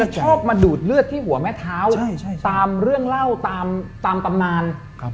ชอบมาดูดเลือดที่หัวแม่เท้าตามเรื่องเล่าตามตำนาน